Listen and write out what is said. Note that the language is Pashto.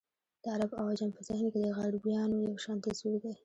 د عرب او عجم په ذهن کې د غربیانو یو شان تصویر دی.